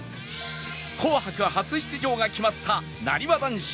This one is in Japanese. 『紅白』初出場が決まったなにわ男子